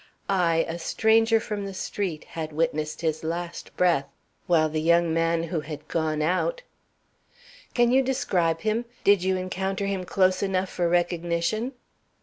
I, a stranger from the street, had witnessed his last breath while the young man who had gone out " "Can you describe him? Did you encounter him close enough for recognition?"